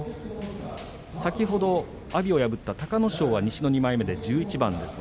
先ほど阿炎を破った隆の勝西の２枚目、１１番です。